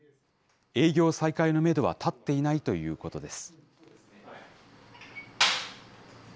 営業再開のメドは立っていないということです。